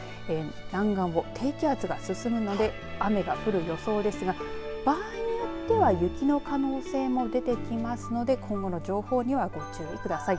南岸を低気圧が進むので雨が降る予想ですが場合によっては雪の可能性も出てきますので今後の情報にはご注意ください。